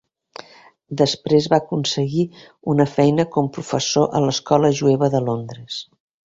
Després va aconseguir una feina com professor a l"escola jueva de Londres.